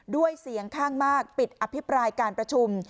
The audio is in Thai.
ด้วยเสียงข้างมากปิดอภิปรายการประชุม